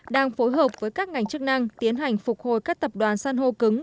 đang phối hợp với các ngành chức năng tiến hành phục hồi các tập đoàn săn hô cứng